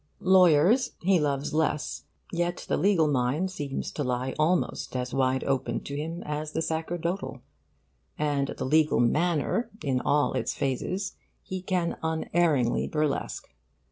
Lawyers he loves less; yet the legal mind seems to lie almost as wide open to him as the sacerdotal; and the legal manner in all its phases he can unerringly burlesque.